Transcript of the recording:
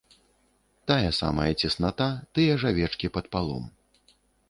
Тая самая цесната, тыя ж авечкі пад палом.